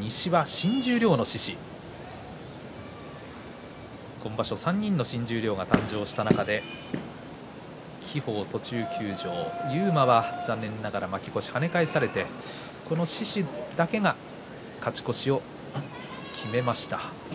西は新十両の獅司今場所３人の新十両が誕生した中で輝鵬は途中休場勇磨は残念ながら跳ね返されて獅司だけが勝ち越しを決めました。